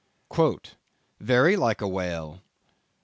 "Very like a whale."